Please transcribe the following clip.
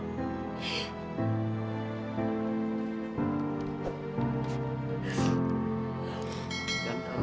aku selalu mencintai kamu